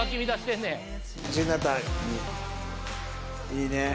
いいねえ。